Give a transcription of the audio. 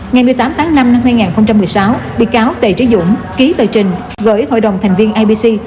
ngày một mươi tám tháng năm năm hai nghìn một mươi sáu bị cáo tề trí dũng ký tờ trình gửi hội đồng thành viên ibc